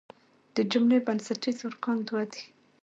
د جملې بنسټیز ارکان دوه دي.